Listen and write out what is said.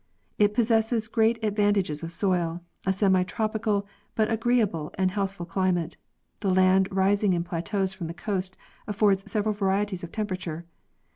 It possesses great advantages of soil, a semi tropical but agreeable and healthful climate; the land rising in plateaus from the coast affords several varieties of temperature.